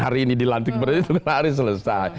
hari ini dilantik berarti hari selesai